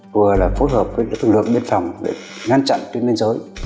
vừa là phối hợp với lực lượng biên phòng để ngăn chặn trên biên giới